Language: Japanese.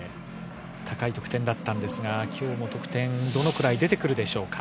高い得点だったのですが今日も得点はどのくらい出てくるでしょうか。